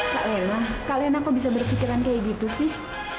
kak lena kak lena kok bisa berpikiran kayak gitu sih